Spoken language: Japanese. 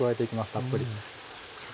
たっぷり。